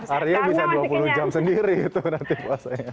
arya bisa dua puluh jam sendiri itu nanti puasanya